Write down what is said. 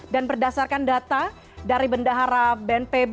dan berdasarkan data dari bendahara bnpb